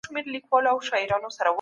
چارواکي به انفرادي حقونه خوندي کړي.